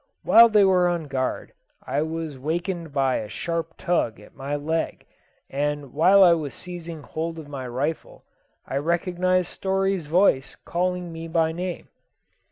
While they were on guard I was wakened by a sharp tug at my leg, and while I was seizing hold of my rifle, I recognised Story's voice calling me by name.